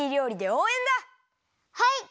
はい！